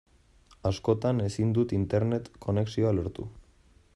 Askotan ezin dut Internet konexioa lortu.